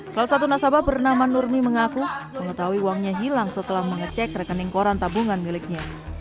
salah satu nasabah bernama nurmi mengaku mengetahui uangnya hilang setelah mengecek rekening koran tabungan miliknya